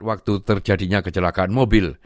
waktu terjadinya kecelakaan mobil